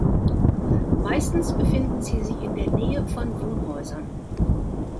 Meistens befinden sie sich in der Nähe von Wohnhäusern.